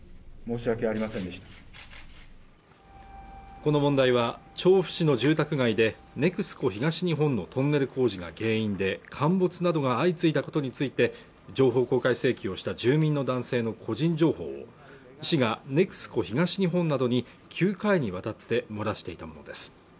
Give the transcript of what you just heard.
この問題は調布市の住宅街でＮＥＸＣＯ東日本のトンネル工事が原因で陥没などが相次いだことについて情報公開請求をした住民の男性の個人情報を市がＮＥＸＣＯ東日本などに９回にわたって漏らしていたものです